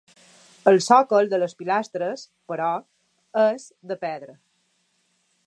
El sòcol de les pilastres, però, és de pedra.